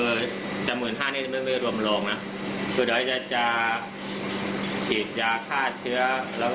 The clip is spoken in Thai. เอาเอาเอาแน่นะครับเออพวกผมก็ไม่ค่อยจะมีนะครับ